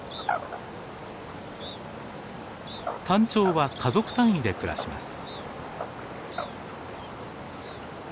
タンチョウは家族単位で暮らします。